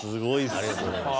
ありがとうございます。